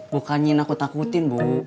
bukannya nakut nakutin bu